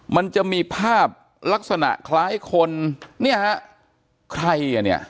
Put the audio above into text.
มันจะมีภาพลักษณะคล้ายคนเนี่ยฮะใครอ่ะเนี่ย